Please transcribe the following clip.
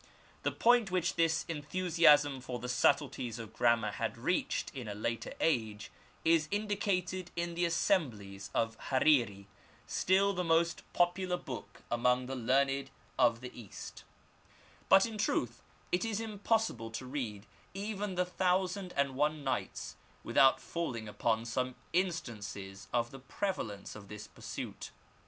The point which this enthusiasm for the subtleties of grammar had reached in a later age, is indi cated in the Assemblies of Hariri, still the most popular book among the learned of the East; but, in truth, it is impossible to read even the Thousand and One Nights without falling upon instances of the prevalence of this pursuit.